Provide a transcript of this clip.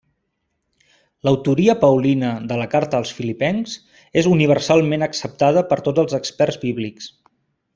L'autoria paulina de la Carta als Filipencs és universalment acceptada per tots els experts bíblics.